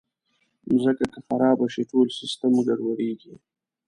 مځکه که خراب شي، ټول سیسټم ګډوډېږي.